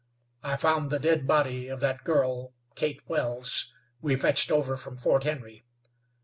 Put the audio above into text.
I found the dead body of that girl, Kate Wells, we fetched over from Fort Henry.